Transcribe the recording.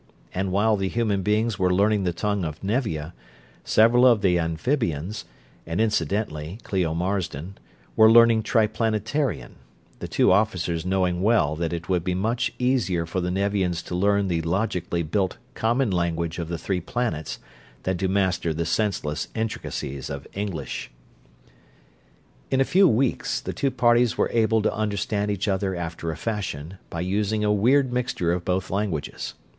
And while the human beings were learning the tongue of Nevia, several of the amphibians (and incidentally Clio Marsden) were learning Triplanetarian; the two officers knowing well that it would be much easier for the Nevians to learn the logically built common language of the Three Planets than to master the senseless intricacies of English. In a few weeks the two parties were able to understand each other after a fashion, by using a weird mixture of both languages.